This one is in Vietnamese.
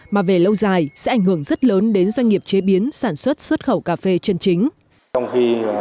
mà về lâu dài sẽ ảnh hưởng rất lớn đến doanh nghiệp chế biến sản xuất xuất khẩu cà phê chân chính